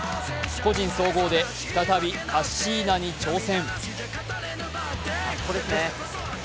個人総合で再びカッシーナに挑戦。